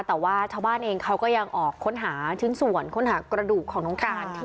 แต่ว่าชาวบ้านเองเขาก็ยังออกค้นหาชิ้นส่วนค้นหากระดูกของน้องการค่ะ